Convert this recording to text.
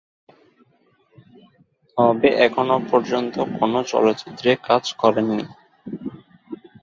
তবে এখনো পর্যন্ত কোন চলচ্চিত্রে কাজ করেননি।